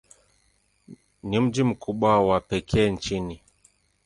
Ni mji mkubwa wa pekee nchini.